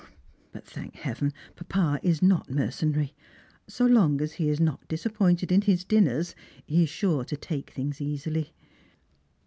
But, thank Heaven, papa is not mercenary; so long as he is not disappointed in his dinners, he is sure to take things easily."